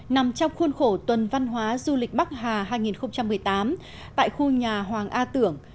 nằm trong khuôn khổ tuần văn hóa du lịch bắc hà hai nghìn một mươi tám tại khu nhà hoàng a tưởng